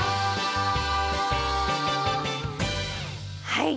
はい。